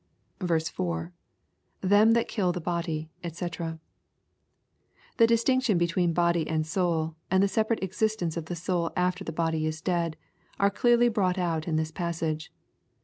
4. — [Them thai kiU the hody^ dfc] The distinction between body and soul, and the separate existence of the soul after the body is dead, are clearly brought out in this passage.